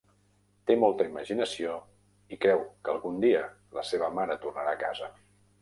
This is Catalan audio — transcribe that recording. Té molta imaginació i creu que algun dia la seva mare tornarà a casa.